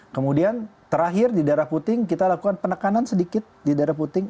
kemudian terakhir di daerah puting kita lakukan penekanan sedikit di daerah puting